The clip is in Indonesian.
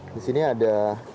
di sini ada